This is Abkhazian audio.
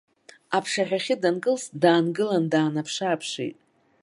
Аԥшаҳәахьы данкылс, даангылан даанаԥшы-ааԥшит.